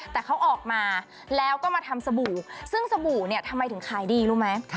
แต่เขาออกมาแล้วก็มาทำสบู่ซึ่งสบู่เนี่ยทำไมถึงขายดีรู้ไหม